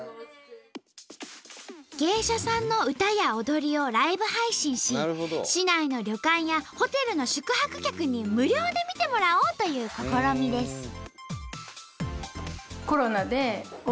芸者さんの歌や踊りをライブ配信し市内の旅館やホテルの宿泊客に無料で見てもらおうという試みです。